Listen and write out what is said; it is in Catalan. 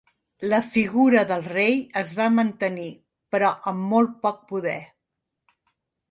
La figura del rei es va mantenir, però amb molt poc poder.